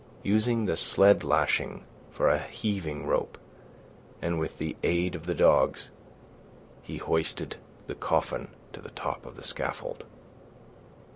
Using the sled lashing for a heaving rope, and with the aid of the dogs, he hoisted the coffin to the top of the scaffold.